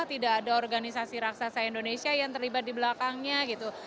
tidak ada organisasi raksasa indonesia yang terlibat di belakangnya gitu